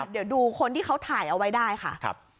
เดี๋ยวดูคนที่เขาถ่ายเอาไว้ได้ค่ะ